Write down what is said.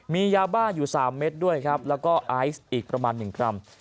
มียาบ้าอยู่๓เม็ดด้วยครับแล้วก็ไอซ์อีกประมาณ๑กรัม